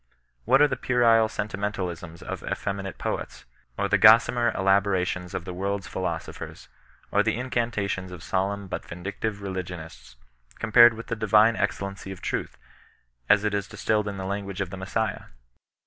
What are the puerile sentimental isms of effeminate poets, or the gossamer elaborations of the world's philosophers, or the incantations of solemn but vindictive religionists, compared with the divine excellency of Truth, as it distilled in the language of the Messiah